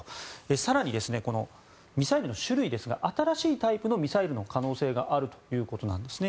更に、ミサイルの種類ですが新しいタイプのミサイルの可能性があるということなんですね。